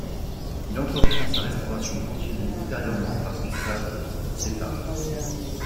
Il entreprend sa restauration, poursuivie ultérieurement par Gustav Seyffarth.